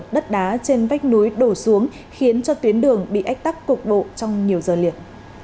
đất đá trên vách núi đổ xuống khiến cho tuyến đường bị ách tắc cục bộ trong nhiều giờ liền